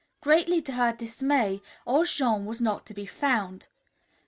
Greatly to her dismay, old Jean was not to be found.